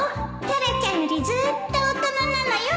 タラちゃんよりずっと大人なのよ